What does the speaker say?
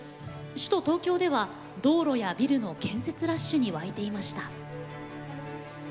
首都東京では道路やビルの建設ラッシュにわいていました。